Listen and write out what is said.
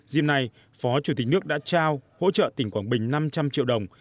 dìm nay phó chủ tịch nước đã trao hỗ trợ tỉnh quảng bình năm trăm linh triệu đồng